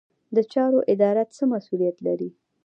د چارو اداره څه مسوولیت لري؟